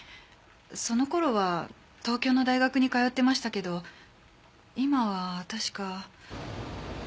その頃は東京の大学に通っていましたけど今は確か。